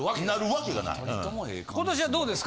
今年はどうですか？